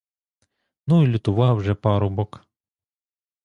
Ну й лютував же парубок!